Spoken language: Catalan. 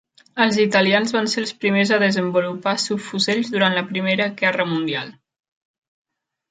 Els italians van ser els primers a desenvolupar subfusells durant la Primera Guerra Mundial.